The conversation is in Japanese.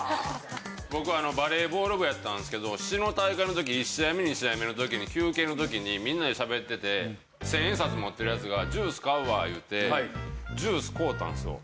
僕バレーボール部やったんですけど市の大会の時１試合目２試合目の時に休憩の時にみんなでしゃべってて１０００円札持ってるヤツがジュース買うわ言うてジュース買うたんですよ。